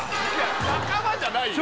仲間じゃないよ